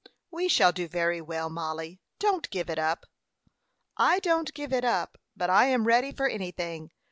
"We shall do very well, Mollie. Don't give it up." "I don't give it up; but I am ready for anything.